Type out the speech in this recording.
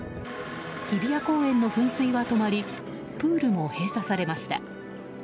日比谷公園の噴水は止まりプールも閉鎖されました。